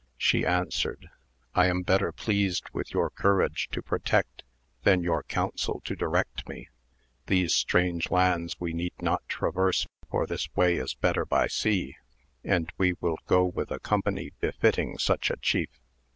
She answered, I am better pleased ith your courage to protect than your counsel to direct le ; these strange lands we need not traverse for this •ay is better by sea, and we will go with a company efitting such a chief.